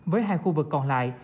với hai khu vực còn lại